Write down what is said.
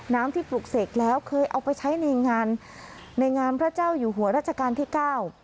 น้ำที่ปลูกเสกแล้วเคยเอาไปใช้ในงานในงานพระเจ้าอยู่หัวราชการที่เก้า